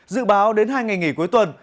dự báo đến hai ngày nghỉ cuối tuần